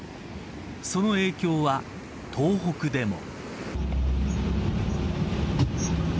その影響は東北でも。